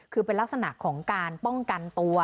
คือเป็นลักษณะของการป้องกันตัว